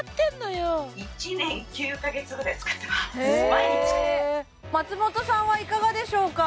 毎日松本さんはいかがでしょうか？